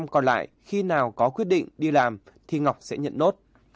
năm mươi còn lại khi nào có quyết định đi làm thì ngọc sẽ nhận nốt